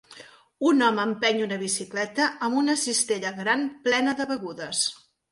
Un home empeny una bicicleta amb una cistella gran plena de begudes.